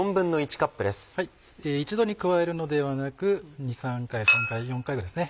一度に加えるのではなく２３回３回４回ぐらいですね。